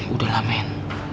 udah lah men